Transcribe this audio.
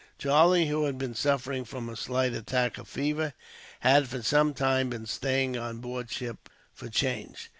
Charlie, who had been suffering from a slight attack of fever, had for some time been staying on board ship, for change.